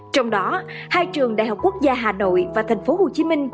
trong đó hai trường đại học quốc gia hà nội và thành phố hồ chí minh